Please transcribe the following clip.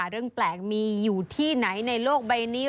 เรื่องแปลกมีอยู่ที่ไหนในโลกใบนี้